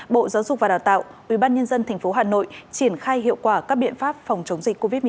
bộ giáo dục và đào tạo ubnd tp hà nội triển khai hiệu quả các biện pháp phòng chống dịch covid một mươi